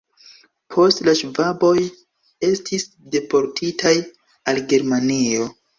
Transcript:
Poste la ŝvaboj estis deportitaj al Germanio.